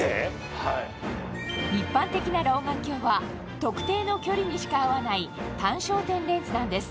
一般的な老眼鏡は特定の距離にしか合わない単焦点レンズなんです